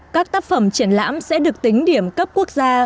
các tác phẩm triển lãm sẽ được tính điểm cấp quốc gia